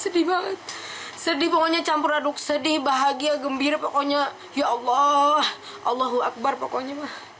sedih banget sedih pokoknya campur aduk sedih bahagia gembira pokoknya ya allah allahu akbar pokoknya